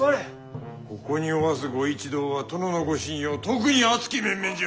ここにおわすご一同は殿のご信用特に厚き面々じゃ。